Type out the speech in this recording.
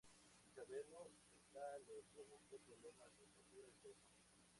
Sin saberlo, esta le provoca problemas de estatura y peso.